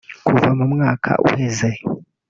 kuva mu mwaka uheze